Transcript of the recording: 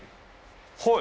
はい。